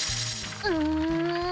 うん。